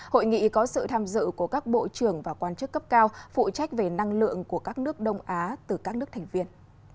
hội nghị có sự tham dự của các bộ trưởng và quan chức cấp cao phụ trách về năng lượng của các nước đông á từ các nước thành viên